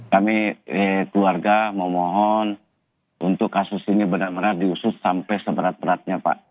kami keluarga memohon untuk kasus ini benar benar diusut sampai seberat beratnya pak